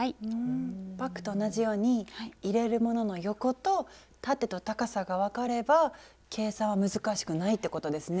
バッグと同じように入れるものの横と縦と高さが分かれば計算は難しくないってことですね。